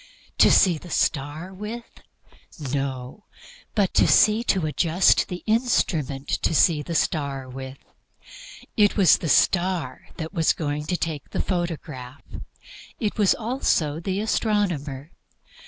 To see the star with? No; but to adjust the instrument to see the star with. It was the star that was going to take the photograph; it was, also, the astronomer.